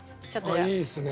いいっすね。